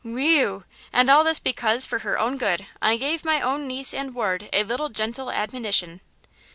"Whee eu! and all this because, for her own good, I gave my own niece and ward a little gentle admonition."